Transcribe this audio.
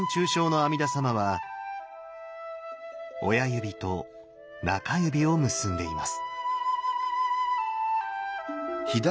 阿弥陀様は親指と薬指を結んでいます。